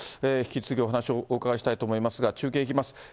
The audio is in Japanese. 引き続きお話をお伺いしたいと思いますが、中継いきます。